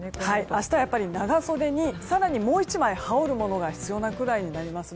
明日は長袖に更にもう１枚はおるものが必要なぐらいになります。